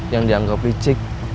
yang dianggap licik